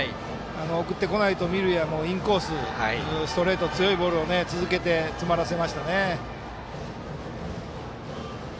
送ってこないと見るやインコース、ストレート強い球を続けて詰まらせましたね。